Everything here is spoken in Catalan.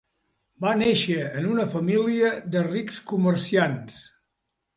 Va néixer en una família de rics comerciants.